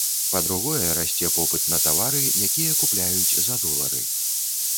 Па-другое, расце попыт на тавары, якія купляюць за долары.